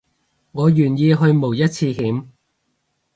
我願意去冒一次險